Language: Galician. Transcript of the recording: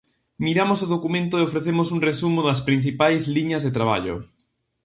Miramos o documento e ofrecemos un resumo das principais liñas de traballo.